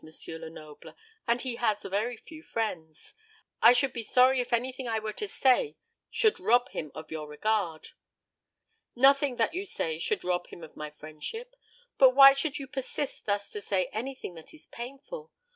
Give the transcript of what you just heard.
Lenoble; and he has very few friends. I should be sorry if anything I were to say should rob him of your regard." "Nothing that you say shall rob him of my friendship. But why should you persist thus to say anything that is painful?